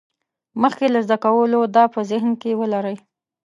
مخکې له زده کولو دا په ذهن کې ولرئ.